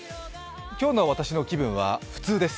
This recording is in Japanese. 今日の私の気分は普通です。